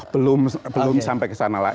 belum sampai kesana lah